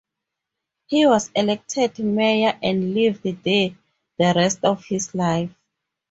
He was elected mayor and lived there the rest of his life.